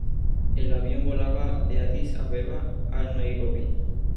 El avión volaba de Adís Abeba a Nairobi.